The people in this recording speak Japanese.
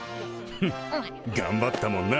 フッがんばったもんな。